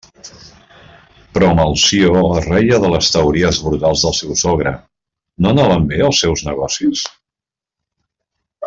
Però Melcior es reia de les teories brutals del seu sogre, No anaven bé els seus negocis?